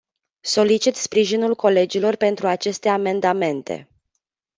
Solicit sprijinul colegilor pentru aceste amendamente.